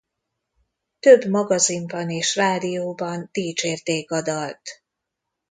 Több magazinban és rádióban dicsérték a dalt.